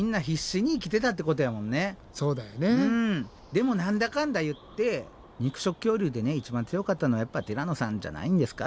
でも何だかんだ言って肉食恐竜で一番強かったのはやっぱティラノさんじゃないんですか？